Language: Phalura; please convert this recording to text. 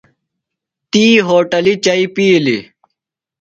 تی ہوٹلیۡ چئی پِیلیۡ۔